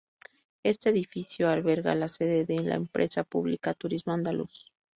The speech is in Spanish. Este edificio alberga la sede de la Empresa Pública Turismo Andaluz.